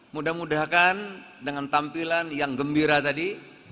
mudah mudahan dengan tampilan yang gembira tadi